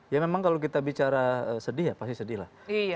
ya memang kalau kita bicara sedih ya pasti sedih lah